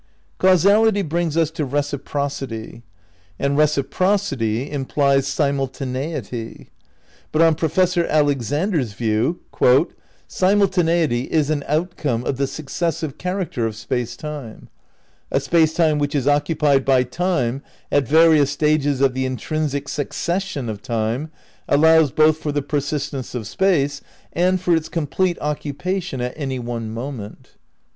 Causality brings us to Reciprocity. And reciprocity implies simultaneity. But on Professor Alexander's view ' Space, Time and Deity, Vol. I, p. 288. V THE CRITICAL PREPARATIONS 189 "simultanetty is ... an outcome of the successive character of Space Time. ... A Space Time which is occupied by Time at various stages of the intrinsic succession of Time allows both for the persistence of Space and for its complete occupation at any one moment."